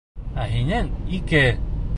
Ә һинең -ике!